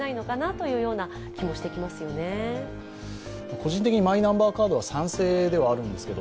個人的にマイナンバーカードは賛成ではあるんですけど、